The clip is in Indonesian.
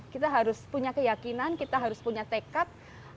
kita harus punya keyakinan kita harus punya tekad